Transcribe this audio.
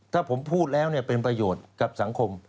ถ้าผมพูดแล้วเป็นประโยชน์กับสังคม